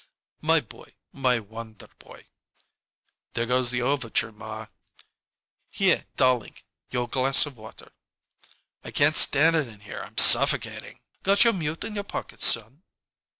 "My boy my wonder boy!" "There goes the overture, ma." "Here, darlink your glass of water." "I can't stand it in here; I'm suffocating!" "Got your mute in your pocket, son?"